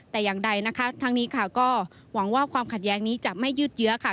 แต่อย่างใดทางนี้ก็หวังว่าความขัดแยกนี้จะไม่ยืดเยอะ